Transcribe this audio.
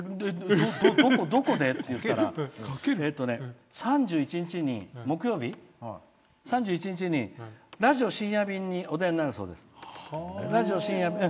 どこで？って言ったら３１日、木曜日に「ラジオ深夜便」にお出になるそうです。